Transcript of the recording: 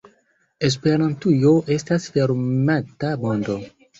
Esperantujo estas fermata mondo.